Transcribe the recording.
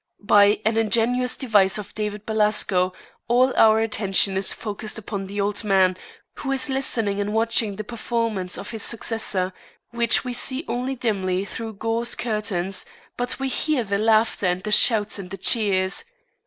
By an ingenious device of David Belasco all our attention is focused upon the old man, who is listening and watching the performance of his successor, which we see only dimly through gauze curtains, but we hear the laughter and the shouts and the cheers.